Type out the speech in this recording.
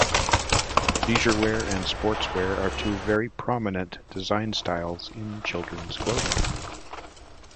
Leisure wear and sports wear are two very prominent design styles in children's clothing.